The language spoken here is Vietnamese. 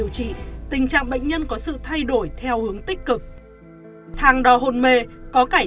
xin chào và hẹn gặp lại